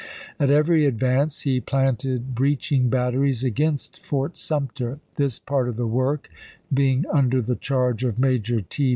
At every advance he p is." planted breaching batteries against Fort Sumter; this part of the work being under the charge of Major T.